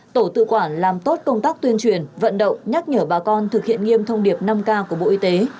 tổ tự quản làm tốt công tác tuyên truyền vận động nhắc nhở bà con thực hiện nghiêm thông điệp năm k của bộ y tế